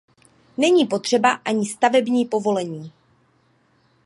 Není potřeba ani stavební povolení.